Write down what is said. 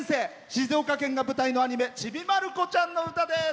静岡県が舞台のアニメ「ちびまる子ちゃん」の歌です。